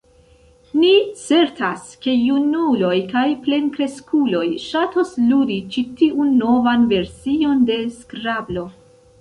Ni certas, ke junuloj kaj plenkreskuloj ŝatos ludi ĉi tiun novan version de Skrablo.